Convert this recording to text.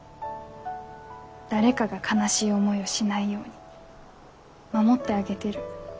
誰かが悲しい思いをしないように守ってあげてる。